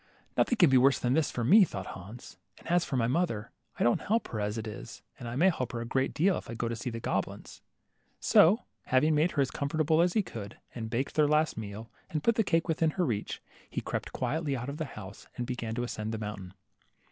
* Nothing can be worse than this for me," thought Hans, and as for my mother, I don't help her as it is, and may help her a great deal, if I go to see the goblins." So having made her as comfortable as he could, and baked their last meal, and put the cake within her reach, he crept quietly out of the house, and began to ascend the mountain.